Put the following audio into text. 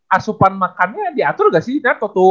asupan makannya diatur gak sih nartu